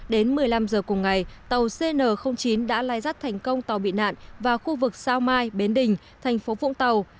đến một mươi năm h cùng ngày tàu cn chín đã lai rắt thành công tàu bị nạn vào khu vực sao mai bến đình thành phố vũng tàu